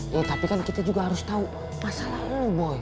ya tapi kan kita juga harus tau masalah lo boy